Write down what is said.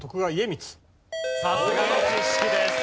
さすがの知識です。